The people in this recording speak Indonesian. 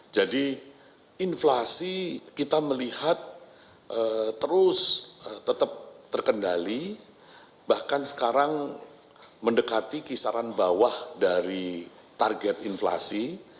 jadi inflasi kita melihat terus tetap terkendali bahkan sekarang mendekati kisaran bawah dari target inflasi